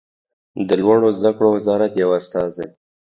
د لوړو زده کړو وزارت یو استازی